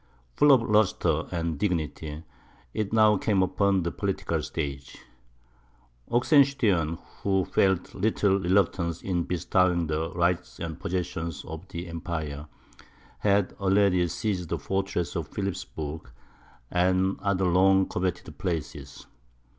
Full of lustre and dignity, it now came upon the political stage. Oxenstiern, who felt little reluctance in bestowing the rights and possessions of the empire, had already ceded the fortress of Philipsburg, and the other long coveted places.